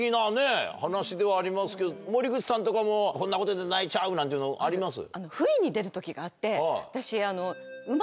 ではありますけど森口さんとかもこんなことで泣いちゃうなんていうのあります？